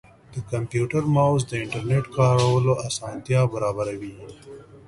د کمپیوټر ماؤس د انټرنیټ کارولو اسانتیا برابروي.